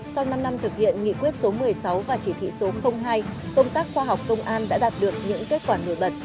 sau năm năm thực hiện nghị quyết số một mươi sáu và chỉ thị số hai công tác khoa học công an đã đạt được những kết quả nổi bật